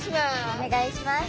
お願いします。